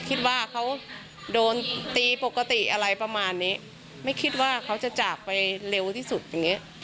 คิดว่าเขาโดนตีปกติอะไรประมาณนี้ไม่คิดว่าเขาจะจากไปเร็วที่สุดอย่างเงี้